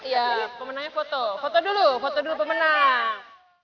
ya pemenangnya foto foto dulu foto dulu pemenang